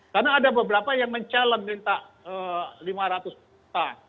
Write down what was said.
karena ada beberapa yang mencalon minta lima ratus juta